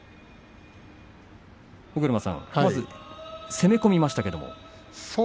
尾車さん、まず攻め込みましたけれども。